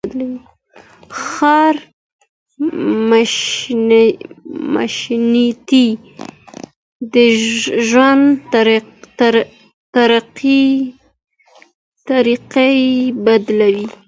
ښار میشتي د ژوند طریقې بدلوي.